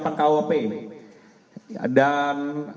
dengan ancaman hukuman paling lama lima belas tahun